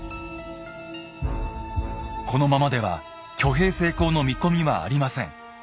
このままでは挙兵成功の見込みはありません。